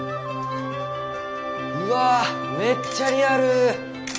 うわめっちゃリアル。